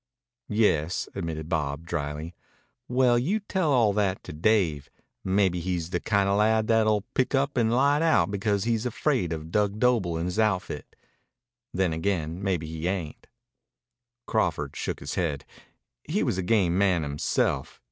"Yes," admitted Bob dryly. "Well, you tell all that to Dave. Maybe he's the kind o' lad that will pack up and light out because he's afraid of Dug Doble and his outfit. Then again maybe he ain't." Crawford shook his head. He was a game man himself.